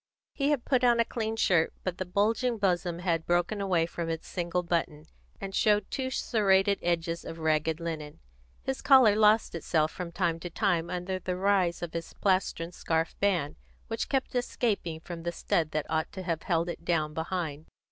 He had put on a clean shirt, but the bulging bosom had broken away from its single button, and showed two serrated edges of ragged linen; his collar lost itself from time to time under the rise of his plastron scarf band, which kept escaping from the stud that ought to have held it down behind.